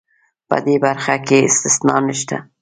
په دې برخه کې استثنا نشته.